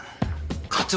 課長？